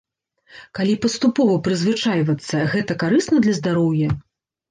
Калі паступова прызвычайвацца, гэта карысна для здароўя?